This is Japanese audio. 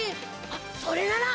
あっそれなら！